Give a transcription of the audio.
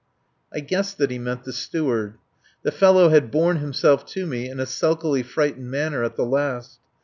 I guessed that he meant the Steward. The fellow had borne himself to me in a sulkily frightened manner at the last.